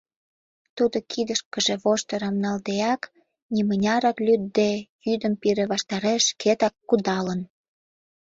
Тудо кидышкыже воштырым налдеак, нимынярат лӱдде, йӱдым пире ваштареш шкетак кудалын...